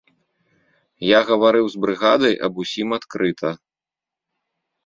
Я гаварыў з брыгадай аб усім адкрыта.